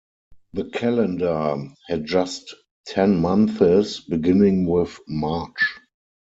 The calendar had just ten months, beginning with March.